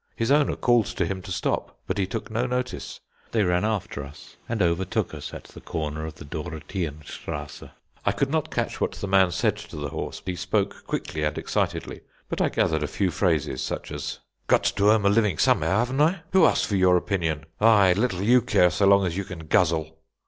His owner called to him to stop, but he took no notice. They ran after us, and overtook us at the corner of the Dorotheen Strasse. I could not catch what the man said to the horse, he spoke quickly and excitedly; but I gathered a few phrases, such as: "Got to earn my living somehow, haven't I? Who asked for your opinion? Aye, little you care so long as you can guzzle."